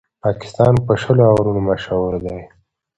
پاکستان په شلو اورونو مشهور دئ.